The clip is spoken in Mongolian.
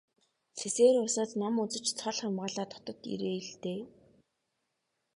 Сэсээр улсад ном үзэж цол хамгаалаад хотод ирээ л дээ.